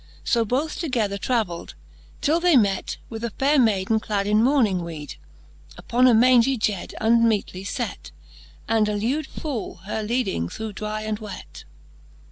So both together traveld, till they met With a faire Mayden clad in mourning weed, Upon a mangy jade unmeetely fet, And a lewd foole her leading thorough dry and wet.